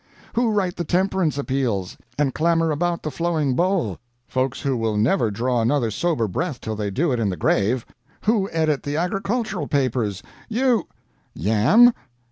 Who write the temperance appeals, and clamor about the flowing bowl? Folks who will never draw another sober breath till they do it in the grave. Who edit the agricultural papers, you yam?